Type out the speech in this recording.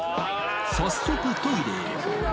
早速、トイレへ。